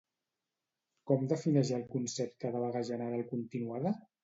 Com defineix el concepte de vaga general continuada?